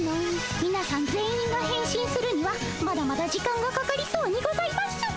みなさん全員が変身するにはまだまだ時間がかかりそうにございます。